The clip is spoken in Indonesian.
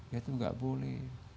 ya itu gak boleh